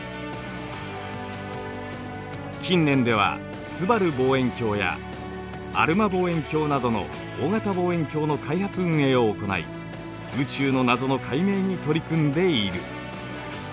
近年ではすばる望遠鏡やアルマ望遠鏡などの大型望遠鏡の開発運営を行い宇宙の謎の解明に取り組んでいる。